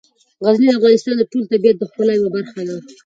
غزني د افغانستان د ټول طبیعت د ښکلا یوه برخه ده.